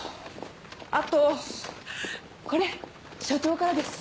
あとこれ署長からです。